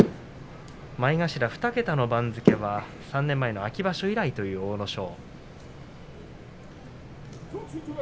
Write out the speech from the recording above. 前頭２桁の番付は３年前の秋場所以来という阿武咲。